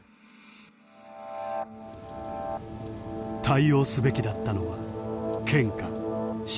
対応すべきだったのは県か市か。